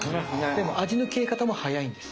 でも味の消え方も早いんです。